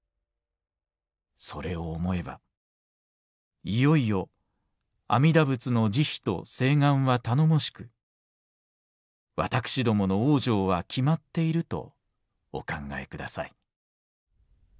それを思えばいよいよ阿弥陀仏の慈悲と誓願は頼もしく私どもの往生は決まっているとお考え下さい」。